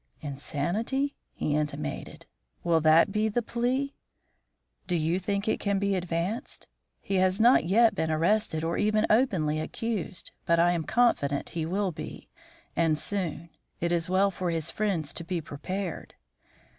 "Insanity?" he intimated. "Will that be the plea?" "Do you think it can be advanced? He has not yet been arrested or even openly accused, but I am confident he will be, and soon, and it is well for his friends to be prepared."